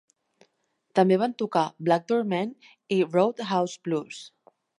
També van tocar "Back Door Man" i "Roadhouse Blues".